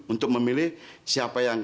untuk memilih siapa yang